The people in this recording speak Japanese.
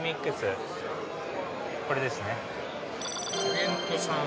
これですね